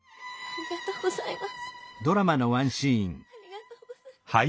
ありがとうございます。